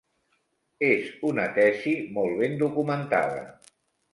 És una tesi molt ben documentada.